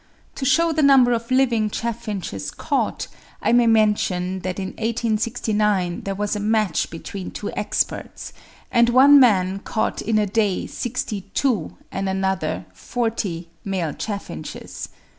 To shew the number of living chaffinches caught, I may mention that in 1869 there was a match between two experts, and one man caught in a day 62, and another 40, male chaffinches.